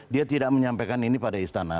dia tidak menyampaikan ini pada istana